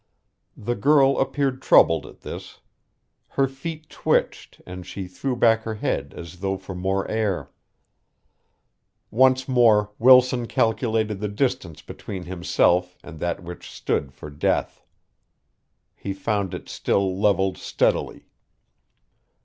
The girl appeared troubled at this. Her feet twitched and she threw back her head as though for more air. Once more Wilson calculated the distance between himself and that which stood for death. He found it still levelled steadily.